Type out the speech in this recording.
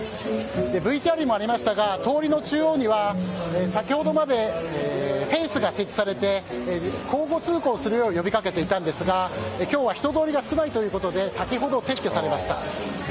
ＶＴＲにもありましたが通りの中央には先ほどまでフェンスが設置されて交互通行をするよう呼び掛けていたんですが人通りが少ないということで先ほど撤去されました。